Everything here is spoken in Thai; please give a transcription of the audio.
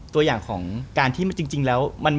ตัวอย่างของการที่จริงแล้ว